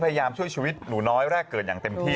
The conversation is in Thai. พยายามช่วยชีวิตหนูน้อยแรกเกิดอย่างเต็มที่